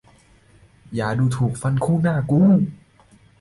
อย่าดูถูกฟันคู่หน้ากู !